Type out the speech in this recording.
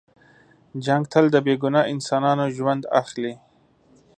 جنګ تل د بې ګناه انسانانو ژوند اخلي.